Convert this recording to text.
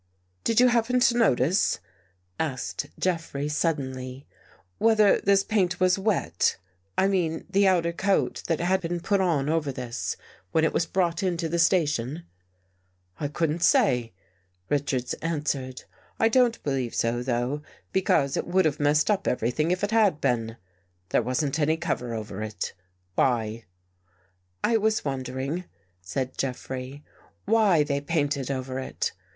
" Did you happen to notice," asked Jeffrey sud denly, "whether the paint was wet — I mean the outer coat that had been put on over this — when it was brought into the station? "" I couldn't say," Richards answered. " I 94 AN EVEN BREAK don't believe so, though. Because it would have messed up everything if it had been. There wasn't any cover over it. Why? "" I was wondering," said Jeffrey, " why they painted over it.